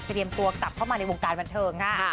เตรียมตัวกลับเข้ามาในวงการบันเทิงค่ะ